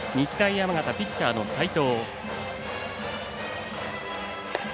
山形、ピッチャーの齋藤。